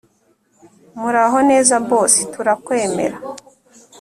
muraho neza bosi turakwemera